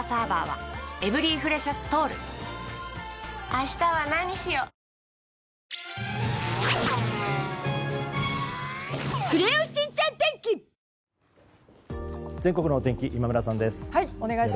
明治おいしい牛乳全国のお天気今村さんです。